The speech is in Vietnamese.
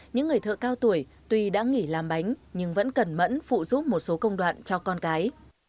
những người thợ cao tuổi tuy đã nghỉ làm bánh nhưng vẫn cẩn mẫn phụ giúp một số công đoạn cho con cái